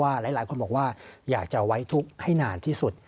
เพราะว่าหลายคนบอกว่าอยากจะเอาไว้ทุกข์ให้นานที่สุด